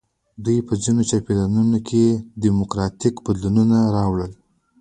دوی په ځینو چاپېریالونو کې ډراماتیک بدلونونه راوړل.